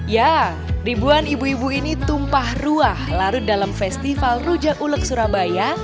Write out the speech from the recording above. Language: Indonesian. ya ribuan ibu ibu ini tumpah ruah larut dalam festival rujak ulek surabaya